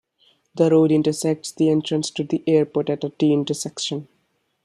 The road intersects the entrance to the airport at a T-intersection.